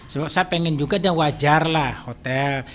saya pengen juga dan wajarlah hotel